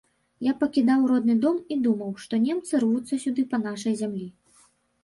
Я пакідаў родны дом і думаў, што немцы рвуцца сюды па нашай зямлі.